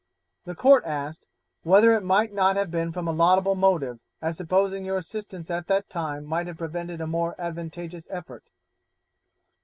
The Court asked, 'Whether it might not have been from a laudable motive, as supposing your assistance at that time might have prevented a more advantageous effort?'